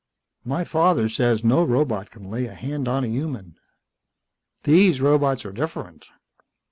"My father says no robot can lay a hand on a human." "These robots are different."